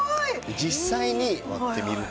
実際に割ってみると。